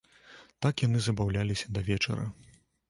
Так яны забаўляліся да вечара.